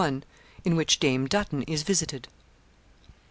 IN WHICH DAME DUTTON IS VISITED.